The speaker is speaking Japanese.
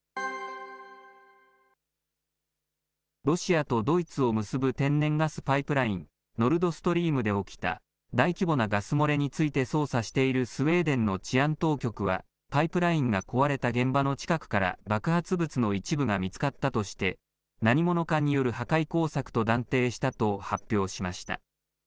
ロシアとドイツを結ぶ天然ガスパイプライン、ノルドストリームで起きた大規模なガス漏れについて捜査しているスウェーデンの治安当局は、パイプラインが壊れた現場の近くから爆発物の一部が見つかったとして、何者かによる破壊工作と断定したと発表しました。